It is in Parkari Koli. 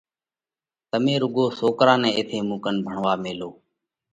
تمي رُوڳو سوڪرا نئہ ايٿئہ مُون ڪنَ ڀڻوا ميلو۔